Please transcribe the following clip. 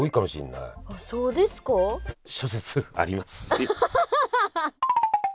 アハハハ！